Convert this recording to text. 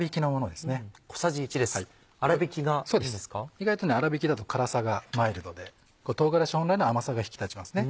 意外と粗びきだと辛さがマイルドで唐辛子本来の甘さが引き立ちますね。